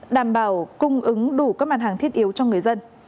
đảm bảo cung ứng đủ các mặt hàng thiết yếu cho người dân